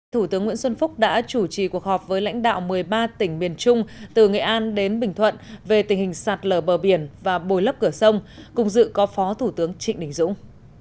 thủ tướng nguyễn xuân phúc đã chủ trì cuộc họp với lãnh đạo một mươi ba tỉnh miền trung từ nghệ an đến bình thuận về tình hình sạt lở bờ biển và bồi lấp cửa sông cùng dự có phó thủ tướng trịnh đình dũng